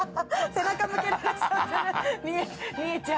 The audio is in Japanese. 背中向けられちゃってるみえちゃん。